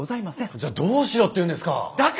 じゃあどうしろって言うんですか。